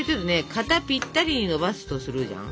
型ぴったりにのばすとするじゃん？